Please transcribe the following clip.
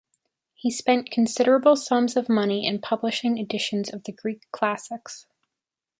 He spent considerable sums of money in publishing editions of the Greek classics.